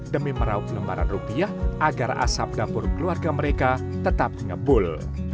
demi meraup lembaran rupiah agar asap dapur keluarga mereka tetap ngebul